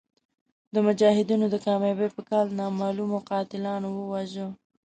د مجاهدینو د کامیابۍ په کال نامعلومو قاتلانو وواژه.